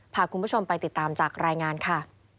พาคุณผู้ชมไปติดตามจากรายงานค่ะ